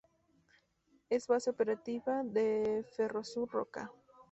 Es base operativa de Ferrosur Roca.